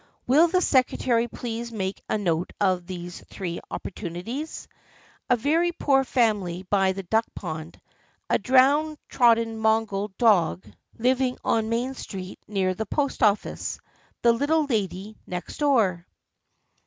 Will the secretary please make a note of these Three Opportunities? A very poor family by the Duck Pond. A down trodden mongrel dog 58 THE FRIENDSHIP OF ANNE living on Main Street near the Post Office. The Little Lady next door."